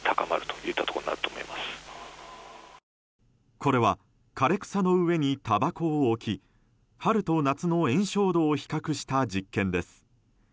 これは枯れ草の上にたばこを置き春と夏の延焼度を比較した実験です。